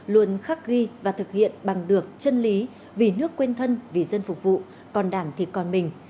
luôn khắc ghi và thực hiện bằng được chân lý vì nước quên thân vì dân phục vụ còn đảng thì còn mình